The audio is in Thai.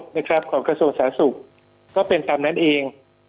ของกระโสสาธารณ์ศรัตน์สุขก็เป็นตามนั้นเอง